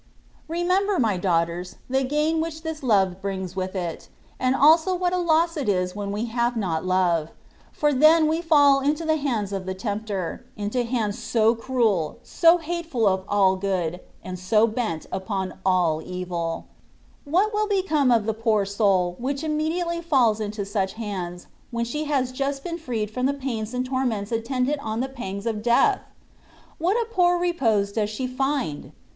Remember, my daughters, the gain which this love brings with it, and also what a loss it is when we have not love ; for then we fall into the hands of the tempter, into hands so cruel, so hateful of all good, and so bent upon all evU. What will become of the poor soul, which immediately faUs into such hands, when she has just been freed from the pains and torments attendant on the pangs of death ? What a poor repose does she find